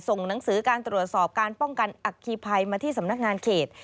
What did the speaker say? หนังสือการตรวจสอบการป้องกันอัคคีภัยมาที่สำนักงานเขต